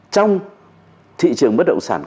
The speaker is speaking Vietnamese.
trong thị trường bất động sản